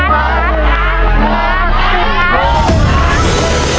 ภายในเวลา๓นาที